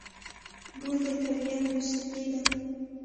ګل د طبیعت موسیقي ده.